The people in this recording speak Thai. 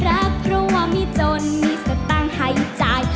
รักเพราะว่ามีจนมีสะตางหายใจ